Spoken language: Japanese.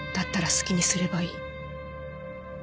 好きにすればいい